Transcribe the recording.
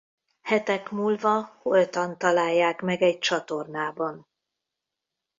Hetek múlva holtan találják meg egy csatornában.